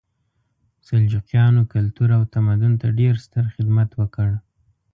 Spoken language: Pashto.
سلجوقیانو کلتور او تمدن ته ډېر ستر خدمت وکړ.